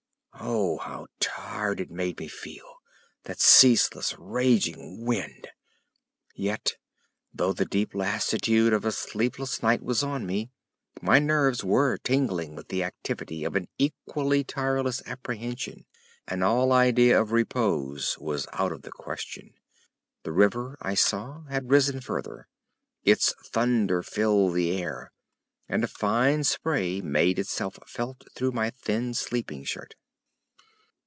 Oh, how tired it made me feel, that ceaseless raging wind! Yet, though the deep lassitude of a sleepless night was on me, my nerves were tingling with the activity of an equally tireless apprehension, and all idea of repose was out of the question. The river I saw had risen further. Its thunder filled the air, and a fine spray made itself felt through my thin sleeping shirt.